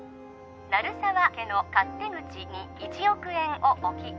鳴沢家の勝手口に１億円を置き